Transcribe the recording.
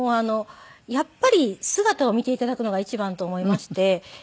やっぱり姿を見て頂くのが一番と思いまして。